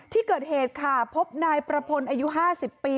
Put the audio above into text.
ที่เกิดเหตุค่ะพบนายประพลอายุ๕๐ปี